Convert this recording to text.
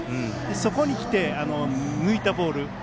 そこに来て、抜いたボール。